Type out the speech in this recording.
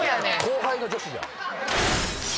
後輩の女子じゃん。